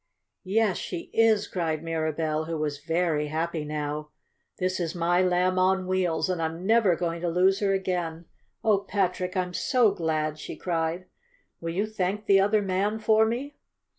"Yes, she is!" cried Mirabell, who was very happy now. "This is my Lamb on Wheels, and I'm never going to lose her again. Oh, Patrick, I'm so glad!" she cried. "Will you thank the other man for me?"